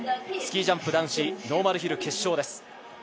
スキージャンプ男子ノーマルヒル決勝です。